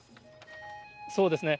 そうですね。